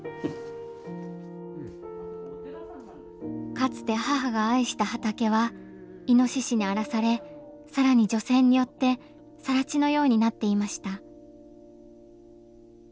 かつて母が愛した畑はイノシシに荒らされ更に除染によってさら地のようになっていました。